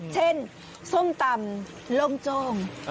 เช่นส้มตำลงโจ่ง